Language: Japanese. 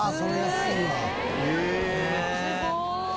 すごーい。